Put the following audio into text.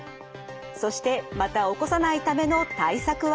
そしてまた起こさないための対策は？